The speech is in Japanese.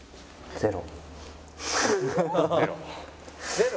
ゼロ。